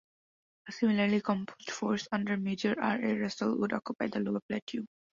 A similarly composed force, under Major R. A. Russell, would occupy the lower plateau.